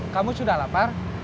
kamu sudah lapar